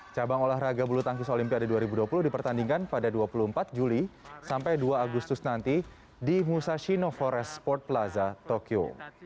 cabang olahraga bulu tangkis olimpiade dua ribu dua puluh dipertandingkan pada dua puluh empat juli sampai dua agustus nanti di musashino forest sport plaza tokyo